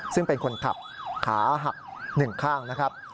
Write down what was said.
ซึ่งเป็นคนขับขาหักหนึ่งข้างนะครับ